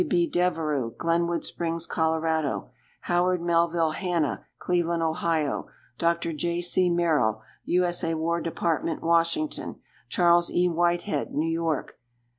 B. Devereux, Glenwood Springs, Col. Howard Melville Hanna, Cleveland, O. Dr. J. C. Merrill, U. S. A., War Dept., Washington. Charles E. Whitehead, New York.